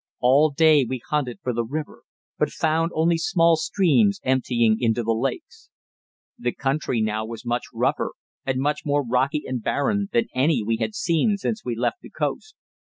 All day we hunted for the river, but found only small streams emptying into the lakes. The country now was much rougher, and much more rocky and barren, than any we had seen since we left the coast.